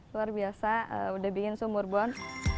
luar biasa sudah bikin sumur bor